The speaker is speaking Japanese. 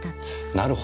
なるほど。